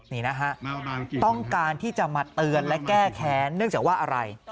นี่นะฮะต้องการที่จะมาเตือนและแก้แค้นเนื่องจากว่าอะไร